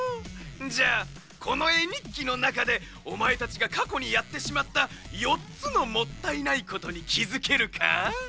じゃあこのえにっきのなかでおまえたちがかこにやってしまった４つのもったいないことにきづけるか？